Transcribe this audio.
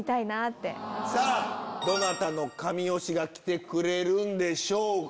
どなたの神推しが来てくれるんでしょうか？